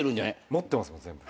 持ってますもん全部。